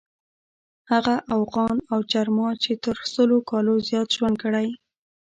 هغه اوغان او جرما چې تر سلو کالو زیات ژوند کړی.